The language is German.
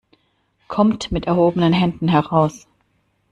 Kommt mit erhobenen Händen heraus!